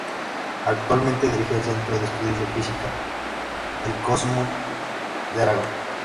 Actualmente dirige el Centro de Estudios de Física del Cosmos de Aragón.